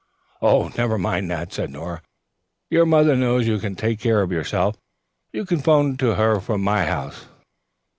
"Never mind that," said Nora. "Your mother knows you can take care of yourself. You can 'phone to her from my house."